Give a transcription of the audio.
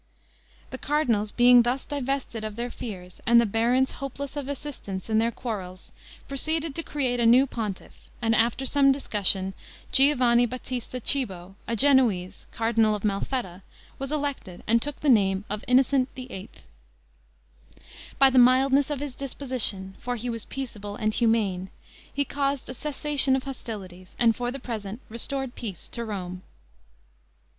The cardinals, being thus divested of their fears, and the barons hopeless of assistance in their quarrels, proceeded to create a new pontiff, and after some discussion, Giovanni Batista Cibo, a Genoese, cardinal of Malfetta, was elected, and took the name of Innocent VIII. By the mildness of his disposition (for he was peaceable and humane) he caused a cessation of hostilities, and for the present restored peace to Rome.